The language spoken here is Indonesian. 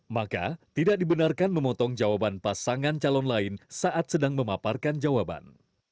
maka tidak dibenarkan memotong jawaban pasangan calon lain saat sedang memaparkan jawaban